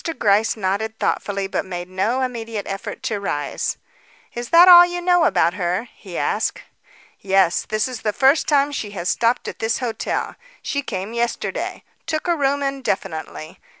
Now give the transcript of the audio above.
Gryce nodded thoughtfully, but made no immediate effort to rise. "Is that all you know about her?" he asked. "Yes; this is the first time she has stopped at this hotel. She came yesterday. Took a room indefinitely.